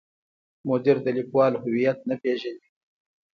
مدیر د لیکوال هویت نه پیژني.